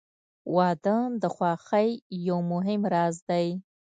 • واده د خوښۍ یو مهم راز دی.